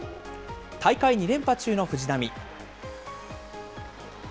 大会２連覇中の藤波。